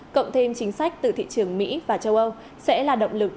cộng thêm chính sách từ thị trường mỹ và châu âu sẽ là động lực